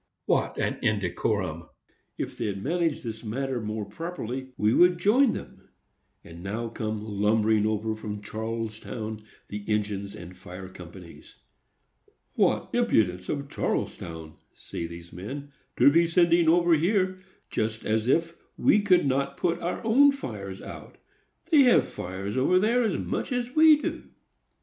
What an indecorum! If they'd manage this matter properly, we would join them." And now come lumbering over from Charlestown the engines and fire companies. "What impudence of Charlestown," say these men, "to be sending over here,—just as if we could not put our own fires out! They have fires over there, as much as we do."